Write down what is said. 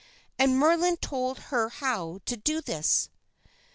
And Merlin told her how to do this.